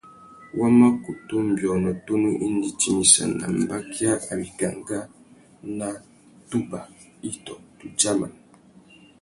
Wa má kutu nʼbiônô tunu indi timissana mbakia râ wikangá nà tubà itô tudjaman.